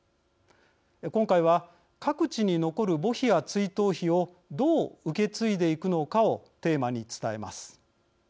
今回は各地に残る墓碑や追悼碑をどう受け継いでいくのかをテーマに伝えます。